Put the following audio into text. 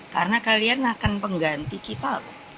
karena kalian akan pengganti kita loh